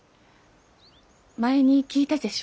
前に聞いたでしょ？